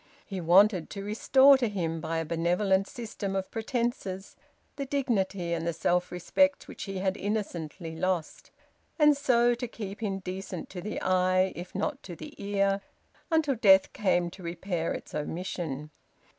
He wanted to restore to him, by a benevolent system of pretences, the dignity and the self respect which he had innocently lost, and so to keep him decent to the eye, if not to the ear, until death came to repair its omission.